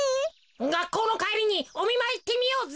がっこうのかえりにおみまいいってみようぜ。